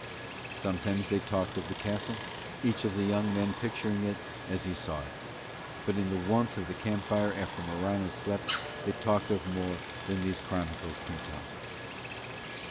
Sometimes they talked of the castle, each of the young men picturing it as he saw it; but in the warmth of the camp fire after Morano slept they talked of more than these chronicles can tell.